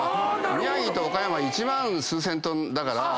宮城と岡山１万数千ｔだから。